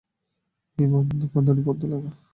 এই বাদরি, পর্দা লাগা।